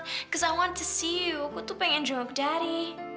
because i want to see you aku tuh pengen jemput dari